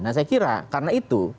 nah saya kira karena itu